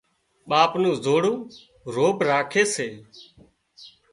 ٻاپ نُون زوڙون روڀ راکي سي